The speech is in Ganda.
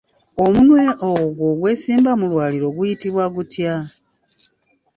Omunwe ogwo ogwesimba mu lwaliiro guyitibwa gutya?